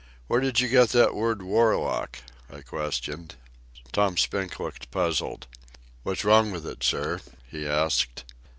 "Where did you get that word warlock?" I questioned. Tom Spink looked puzzled. "What's wrong with it, sir?" he asked.